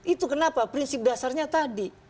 itu kenapa prinsip dasarnya tadi